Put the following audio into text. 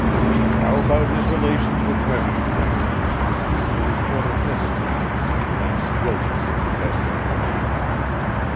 "How about his relations with women?" The reporter hesitated and glanced guiltily at the dead body.